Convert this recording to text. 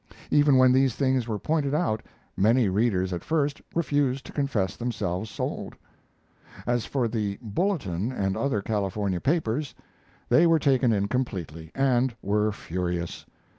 Even when these things were pointed out many readers at first refused to confess themselves sold. As for the Bulletin and other California papers, they were taken in completely, and were furious.